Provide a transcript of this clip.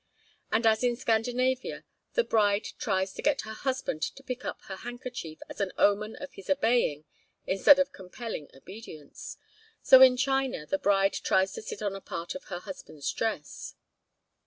And as in Scandinavia the bride tries to get her husband to pick up her handkerchief as an omen of his obeying instead of compelling obedience, so in China the bride tries to sit on a part of her husband's dress.